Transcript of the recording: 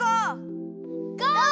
ゴー！